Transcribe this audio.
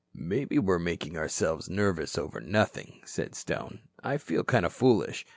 "Maybe we're making ourselves nervous over nothing," said Stone. "I feel kind of foolish.